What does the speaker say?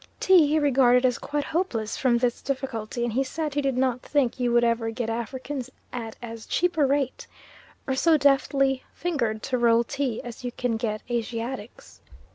Tea he regarded as quite hopeless from this difficulty, and he said he did not think you would ever get Africans at as cheap a rate, or so deftly fingered to roll tea, as you can get Asiatics.